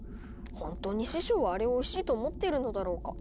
ほんとに師匠はあれをおいしいと思っているのだろうか。